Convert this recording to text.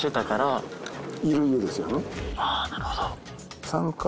あっなるほど。